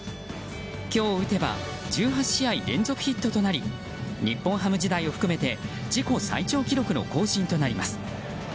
今日打てば１８試合連続ヒットとなり日本ハム時代を含めて自己最長記録の更新となります。